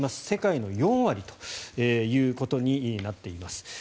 世界の４割ということになっています。